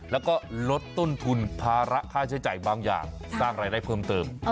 แล้วก็ลดต้นทุนภาระค่าใช้จ่ายบางอย่างสร้างรายได้เพิ่มเติม